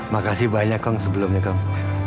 makasih banyak kong sebelumnya kong